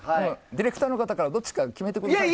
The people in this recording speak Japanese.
ディレクターの方からどっちか決めてくださいと。